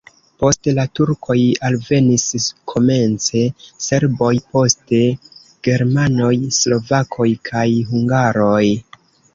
Post la turkoj alvenis komence serboj, poste germanoj, slovakoj kaj hungaroj.